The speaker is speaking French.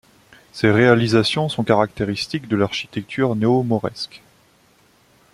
Ses réalisations sont caractéristiques de l'architecture néo-mauresque.